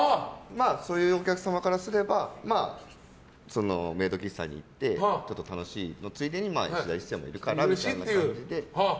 そういうお客様からすればメイド喫茶に行ってちょっと楽しいのついでにいしだ壱成もいるからっていう感じで。